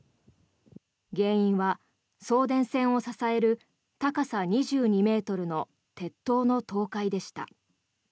原因は送電線を支える高さ２２ｍの鉄塔の倒壊でした。